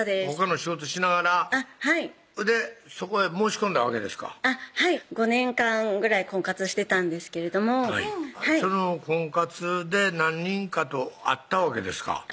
ほかの仕事しながらはいそこへ申し込んだわけですかはい５年間ぐらい婚活してたんですけれどもその婚活で何人かと会ったわけですか？